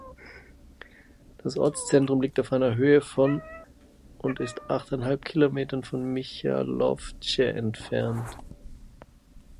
Das Ortszentrum liegt auf einer Höhe von und ist achteinhalb Kilometer von Michalovce entfernt.